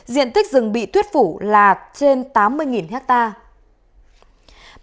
diện tích rừng bị thuyết phủ là trên tám mươi hectare